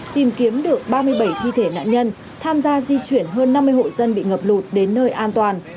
tìm kiếm được ba mươi bảy thi thể nạn nhân tham gia di chuyển hơn năm mươi hộ dân bị ngập lụt đến nơi an toàn